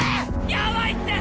やばいって！